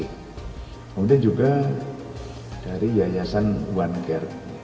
kemudian juga dari yayasan onegear